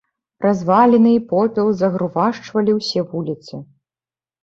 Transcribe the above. Разваліны і попел загрувашчвалі ўсе вуліцы.